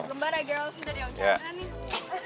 perlembar ya girls